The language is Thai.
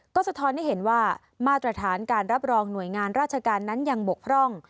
ก็สะท้อนให้เห็นว่ามาตรฐานการรับรองหน่วยงานราชการนั้นยังบกพร่อง